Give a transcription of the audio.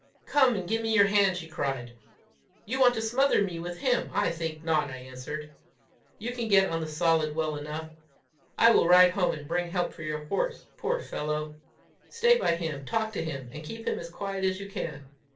"Come and give me your hand," she cried. "You want to smother me with him! I think I will not," I answered. "You can get on the solid well enough. I will ride home and bring help for your horse, poor fellow! Stay by him, talk to him, and keep him as quiet as you can.